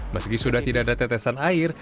meski sudah tidak ada tetesan air